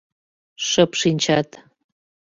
Шып шинчат.